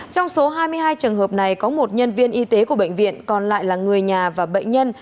trong số hai mươi hai trường hợp này có một nhân viên y tế của bệnh viện còn lại là người nhà và bệnh nhân